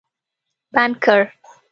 بند کړ